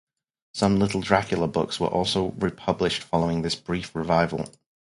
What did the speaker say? Some "Little Dracula" books were also republished following this brief revival.